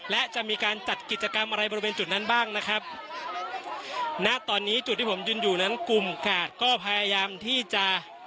และจะมีการจัดกิจกรรมอะไรบริเวณจุดนั้นบ้างนะครับณตอนนี้จุดที่ผมยืนอยู่นั้นกลุ่มกาดก็พยายามที่จะ